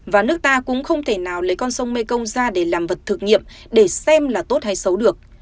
và nước ta cũng không thể nào lấy con sông mê công ra để làm vật thực nghiệm để xem là tốt hay xấu được